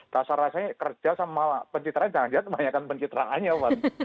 terserah saya kerja sama pencitraan jangan jatuh banyakkan pencitraannya om